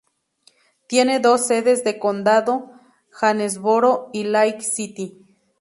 Tiene dos sedes de condado: Jonesboro y Lake City.